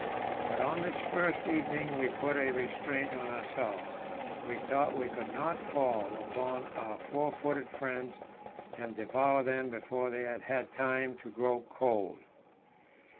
But on this first evening we put a restraint on ourselves; we thought we could not fall upon our four footed friends and devour them before they had had time to grow cold.